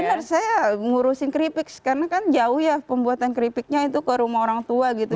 benar saya ngurusin keripik karena kan jauh ya pembuatan keripiknya itu ke rumah orang tua gitu